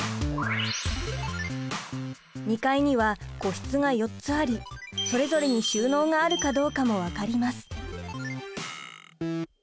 ２階には個室が４つありそれぞれに収納があるかどうかも分かります。